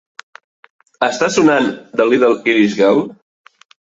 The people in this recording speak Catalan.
Està sonant The Little Irish Girl?